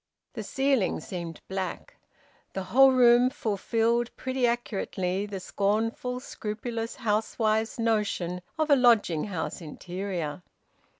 The ceiling seemed black. The whole room fulfilled pretty accurately the scornful scrupulous housewife's notion of a lodging house interior.